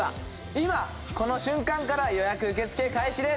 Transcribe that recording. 今この瞬間から予約受け付け開始です。